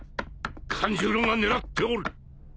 カン十郎が狙っておる。